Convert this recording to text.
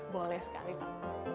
boleh sekali pak